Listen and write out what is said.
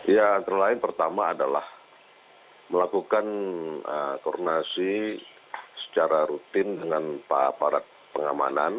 ya antara lain pertama adalah melakukan koordinasi secara rutin dengan aparat pengamanan